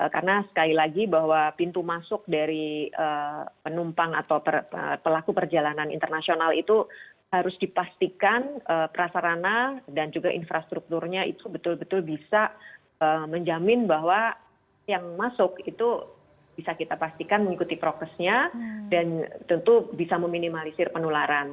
karena sekali lagi bahwa pintu masuk dari penumpang atau pelaku perjalanan internasional itu harus dipastikan prasarana dan juga infrastrukturnya itu betul betul bisa menjamin bahwa yang masuk itu bisa kita pastikan mengikuti prokesnya dan tentu bisa meminimalisir penularan